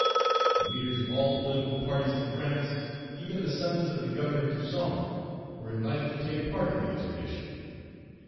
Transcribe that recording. The leaders of all political parties in France, even the sons of the Governor Toussaint, were invited to take part in the expedition.